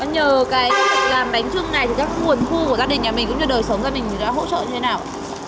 nhờ cái làm bánh chưng này thì các nguồn khu của gia đình nhà mình cũng như đời sống gia đình thì đã hỗ trợ như thế nào